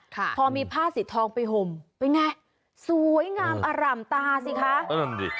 ค่ะพอมีผ้าสีทองไปห่มเป็นไงสวยงามอร่ำตาสิคะเริ่มดิ